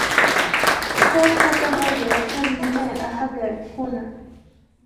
tone hata moja Katika milima ya Ahaggar kuna